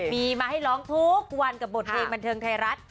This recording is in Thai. มีมาให้ร้องทุกวันกับบทเพลงบันเทิงไทยรัฐ